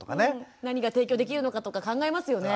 何が提供できるのかとか考えますよね。